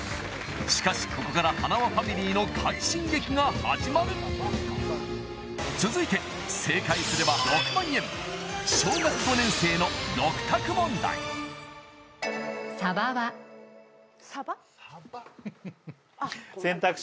しかしここからはなわファミリーの快進撃が始まる続いて正解すれば６万円小学５年生の６択問題サバ？サバ選択肢